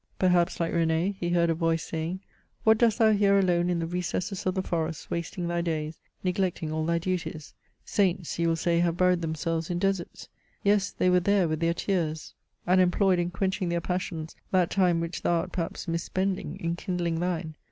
Perhaps, Uke R^n^, he heard a voice, saying, "What dost thou here alone in the recesses of the forests wasting thy days, neglecting all thy duties ? Saints, you will say have buried themselves in deserts. Yes, they were there with their tears. CHATEAUBRIAND. 1 3 and employed in quenching their passions that time which thou art perhaps mis spending in kindling thine.